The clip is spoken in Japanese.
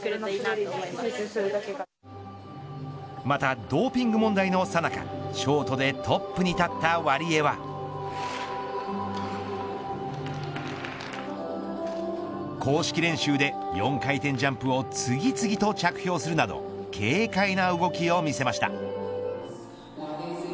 またドーピング問題のさなかショートでトップに立ったワリエワ。公式練習で４回転ジャンプを次々と着氷するなど軽快な動きを見せました。